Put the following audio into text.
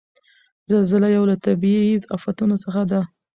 زلزله یو له طبعیي آفتونو څخه ده.